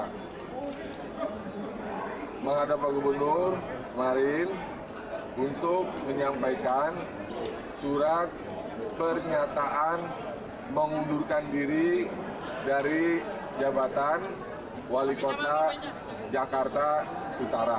saya menghadap pak gubernur kemarin untuk menyampaikan surat pernyataan mengundurkan diri dari jabatan wali kota jakarta utara